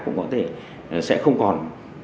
cũng có thể sẽ không còn